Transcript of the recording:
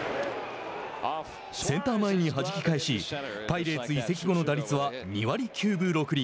センター前にはじき返しパイレーツ移籍後の打率は２割９分６厘。